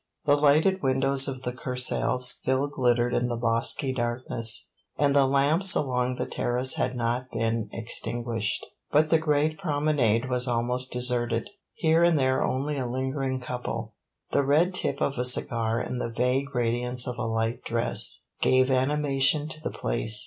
The lighted windows of the Kursaal still glittered in the bosky darkness, and the lamps along the terrace had not been extinguished; but the great promenade was almost deserted; here and there only a lingering couple the red tip of a cigar and the vague radiance of a light dress gave animation to the place.